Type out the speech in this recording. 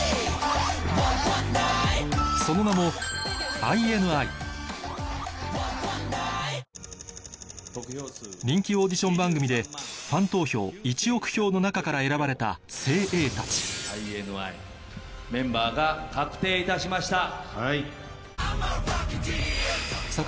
その名もＩＮＩ人気オーディション番組でファン投票１億票の中から選ばれた精鋭たち・ＩＮＩメンバーが確定いたしました！